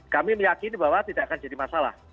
kami meyakini bahwa tidak akan jadi masalah